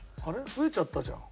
増えちゃったじゃん。